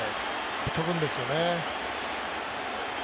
飛ぶんですよね。